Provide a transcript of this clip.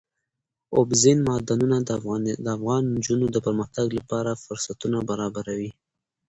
اوبزین معدنونه د افغان نجونو د پرمختګ لپاره فرصتونه برابروي.